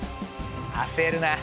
焦るな。